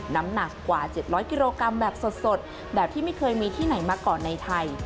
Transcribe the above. น้ำหนักกว่า๗๐๐กิโลกรัมแบบสดแบบที่ไม่เคยมีที่ไหนมาก่อนในไทย